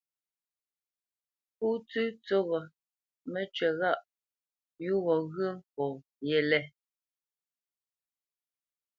Pó tsə̂ tsə́ghō, mə́cywǐ ghâʼ pǔ gho ŋgyə̌ nkɔ̌ yêlê.